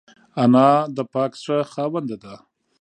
انا د پاک زړه خاونده ده